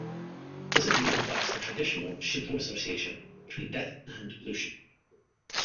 This opinion reflects the traditional Shinto association between death and pollution.